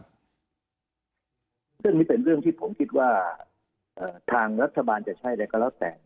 ซึ่งนี่เป็นเรื่องที่ผมคิดว่าทางรัฐบาลจะใช่อะไรก็แล้วแต่